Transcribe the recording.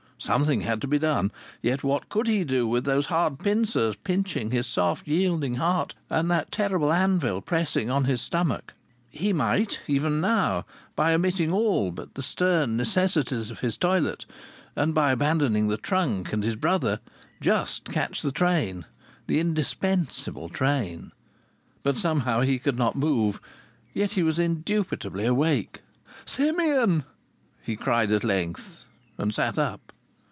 Something had to be done. Yet what could he do with those hard pincers pinching his soft, yielding heart, and that terrible anvil pressing on his stomach? He might even now, by omitting all but the stern necessities of his toilet, and by abandoning the trunk and his brother, just catch the train, the indispensable train. But somehow he could not move. Yet he was indubitably awake. "Simeon!" he cried at length, and sat up.